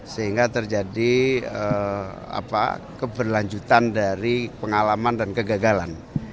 sehingga terjadi keberlanjutan dari pengalaman dan kegagalan